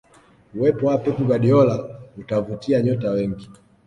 uwepo wa pep guardiola utavutia nyota wengi